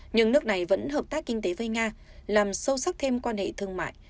nhưng nước này vẫn hợp tác kinh tế với nga làm sâu sắc thêm quan hệ thương mại